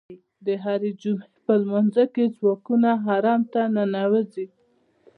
د هرې جمعې په لمانځه کې یې ځواکونه حرم ته ننوځي.